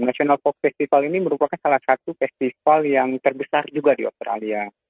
national pop festival ini merupakan salah satu festival yang terbesar juga di australia